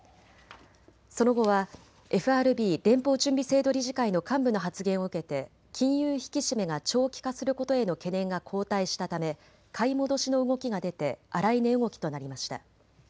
その後はＦＲＢ・連邦準備制度理事会の幹部の発言を受けて金融引き締めが長期化することへの懸念が後退したため買い戻しの動きが出て荒い値動きとなりました。